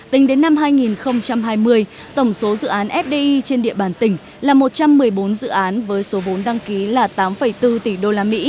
tính đến năm hai nghìn hai mươi tổng số dự án fdi trên địa bàn tỉnh là một trăm một mươi bốn dự án với số vốn đăng ký là tám bốn tỷ usd